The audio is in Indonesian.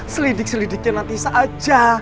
selidik selidiknya nanti saja